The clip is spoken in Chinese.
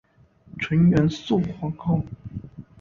纯元肃皇后。